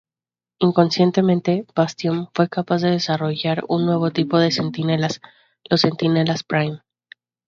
Inconscientemente, Bastión fue capaz de desarrollar un nuevo tipo de Centinelas, los Centinelas Prime.